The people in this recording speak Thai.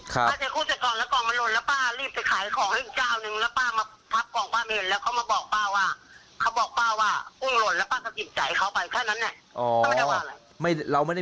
ป้าเทกุ้งใส่กองป้าเทกุ้งใส่กองแล้วกองมันหล่นแล้วป้า